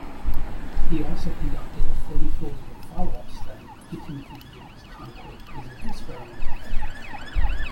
He also conducted a thirty-four year follow-up study to Timothy Leary's Concord Prison Experiment.